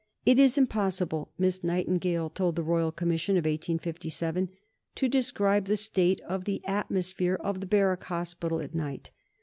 "It is impossible," Miss Nightingale told the Royal Commission of 1857, "to describe the state of the atmosphere of the Barrack Hospital at night.